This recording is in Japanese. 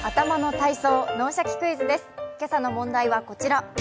今朝の問題はこちら。